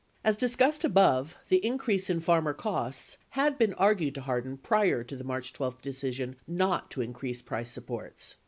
11 As discussed above, the increase in farmer costs had been argued to Hardin prior to the March 12 decision not to increase price sup ports.